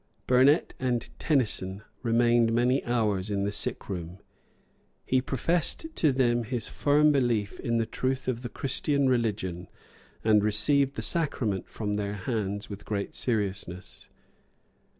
Burnet and Tenison remained many hours in the sick room. He professed to them his firm belief in the truth of the Christian religion, and received the sacrament from their hands with great seriousness.